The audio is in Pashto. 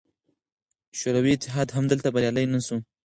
شوروي اتحاد هم دلته بریالی نه شو.